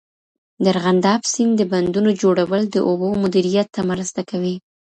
د ارغنداب سیند د بندونو جوړول د اوبو مدیریت ته مرسته کوي.